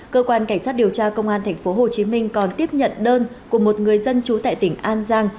cơ quan cảnh sát điều tra công an tp hcm còn tiếp nhận đơn của một người dân trú tại tỉnh an giang